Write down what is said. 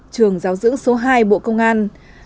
trường giáo dưỡng số hai bộ công an